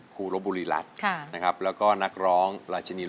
กระแซะกระแซะเข้ามาสิ